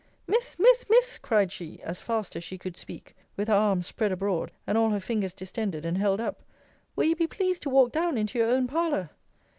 Miss! Miss! Miss! cried she, as fast as she could speak, with her arms spread abroad, and all her fingers distended, and held up, will you be pleased to walk down into your own parlour?